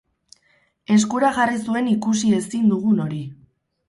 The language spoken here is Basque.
Eskura jarri zuen ikusi ezin dugun hori.